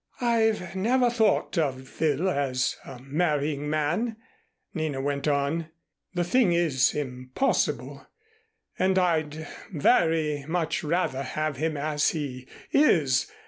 "I've never thought of Phil as a marrying man," Nina went on. "The thing is impossible, and I'd very much rather have him as he is.